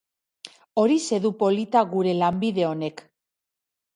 Horixe du polita gure lanbide honek.